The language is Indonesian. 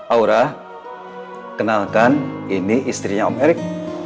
aura kenalkan ini istrinya om erik